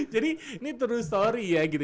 jadi ini true story ya gitu